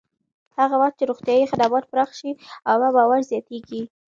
هغه وخت چې روغتیایي خدمات پراخ شي، عامه باور زیاتېږي.